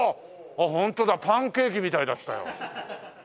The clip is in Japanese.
ホントだパンケーキみたいだったよ。